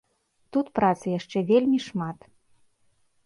Тут працы яшчэ вельмі шмат.